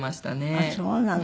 ああそうなの。